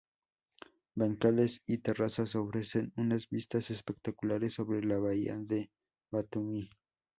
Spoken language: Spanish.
Bancales y terrazas ofrecen unas vistas espectaculares sobre la Bahía de Batumi.